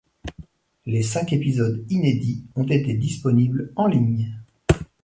Les cinq épisodes inédits ont été disponibles en ligne.